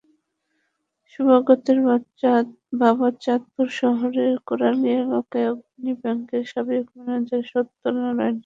সুবাগতের বাবা চাঁদপুর শহরের কোড়ালিয়া এলাকার অগ্রণী ব্যাংকের সাবেক ম্যানেজার সত্য নারায়ণ সাহা।